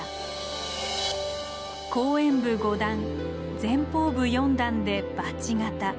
後円部５段前方部４段でバチ形。